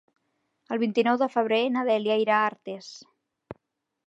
El vint-i-nou de febrer na Dèlia irà a Artés.